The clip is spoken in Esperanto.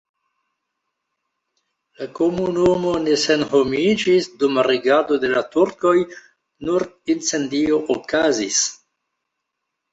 La komunumo ne senhomiĝis dum regado de la turkoj, nur incendio okazis.